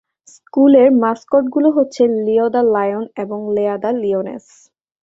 স্কুলের মাস্কটগুলো হচ্ছে লিও দ্য লায়ন এবং লেয়া দ্য লিওনেস।